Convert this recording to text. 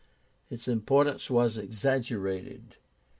Its importance was exaggerated.